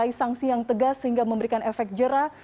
disertai sanksi yang tegas sehingga memberikan efek jera